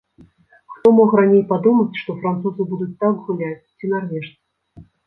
Хто мог раней падумаць, што французы будуць так гуляць ці нарвежцы.